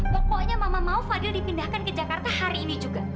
pokoknya mama mau fadil dipindahkan ke jakarta hari ini juga